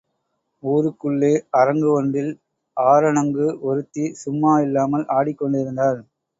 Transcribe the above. ஊருக்குள்ளே அரங்கு ஒன்றில் ஆரணங்கு ஒருத்தி சும்மா இல்லாமல் ஆடிக் கொண்டிருந்தாள்.